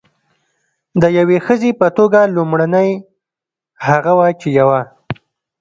د یوې ښځې په توګه لومړنۍ هغه وه چې یوه.